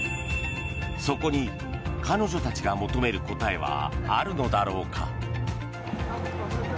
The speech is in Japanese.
そこに彼女たちが求める答えはあるのだろうか。